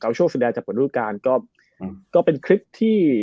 กัลโชคสุดยาตร์จัดปรบรูปการก็เป็นคลิปที่